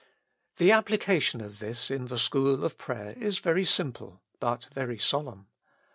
The application of this in the school of prayer is very simple, but very solemn.